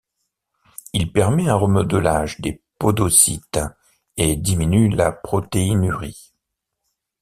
Il permet un remodelage des podocytes et diminue la protéinurie.